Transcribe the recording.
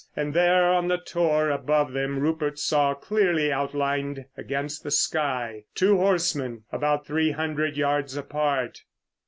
And there on the tor above them Rupert saw clearly outlined against the sky two horsemen, about three hundred yards apart.